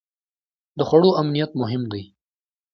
د خوړو امنیت مهم دی.